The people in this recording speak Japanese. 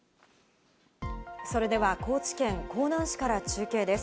それでは高知県香南市から中継です。